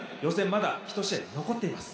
まだ１試合残っています。